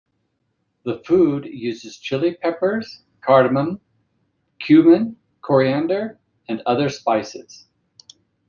The food uses chili peppers, cardamom, cumin, coriander and other spices.